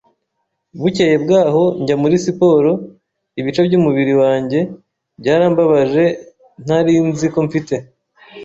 Bukeye bwaho njya muri siporo, ibice byumubiri wanjye byarambabaje ntari nzi ko mfite.